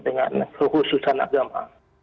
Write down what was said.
dengan khususan agama